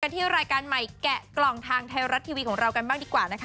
แล้วมาดูกันที่รายการใหม่แกะกล่องทางไทยรัดทีวี